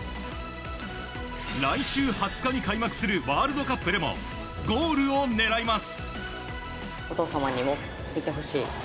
来週２０日に開幕するワールドカップでもゴールを狙います。